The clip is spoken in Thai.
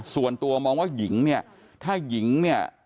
ส่วนตัวมองว่าหญิงเนี่ยถ้าหญิงเนี่ย